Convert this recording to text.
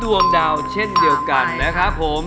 ดวงดาวเช่นเดียวกันนะครับผม